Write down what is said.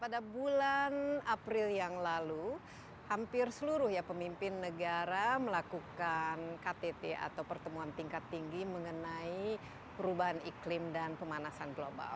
pada bulan april yang lalu hampir seluruh pemimpin negara melakukan ktt atau pertemuan tingkat tinggi mengenai perubahan iklim dan pemanasan global